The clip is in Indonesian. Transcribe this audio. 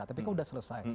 tapi kan sudah selesai